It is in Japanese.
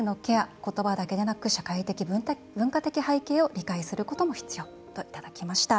言葉だけでなくその国の社会的文化的背景を理解することも必要といただきました。